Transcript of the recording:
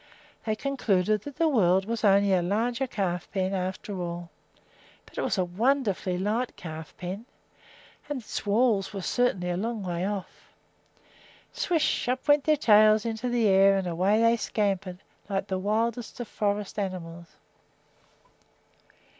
They concluded that the world was only a larger calf pen, after all; but it was a wonderfully light calf pen, and its walls were certainly a long way off. Swish! up went their tails into the air and away they scampered like the wildest of forest animals.